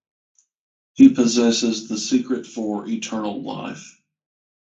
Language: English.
He possesses the secret for eternal life.